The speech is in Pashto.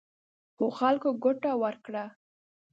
خو خلکو ګوته ورکړه.